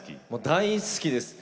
大好きです！